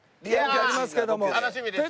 楽しみですね。